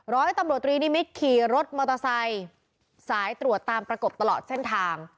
ร้อยตำรวจตรีนิมิตรขี่รถมอเตอร์ไซค์สายตรวจตามประกบตลอดเส้นทาง